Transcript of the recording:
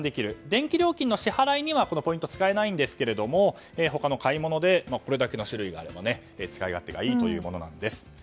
電気料金の支払いには使えないんですが他の買い物でこれだけの種類があれば使い勝手がいいというものなんです。